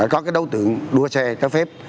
có cái đối tượng đua xe trái phép